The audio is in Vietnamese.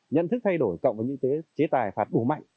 nhận thức thay đổi cộng với những chế tài phạt đủ mạnh